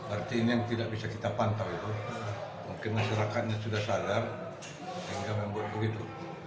artinya ini yang tidak bisa kita pantau itu mungkin masyarakatnya sudah sadar sehingga membuat begitu